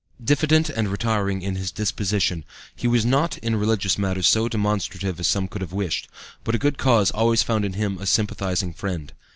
"Diffident and retiring in his disposition, he was not in religious matters so demonstrative as some could have wished, but a good cause always found in him a sympathizing friend.